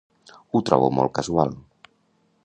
Ho trobo molt casual.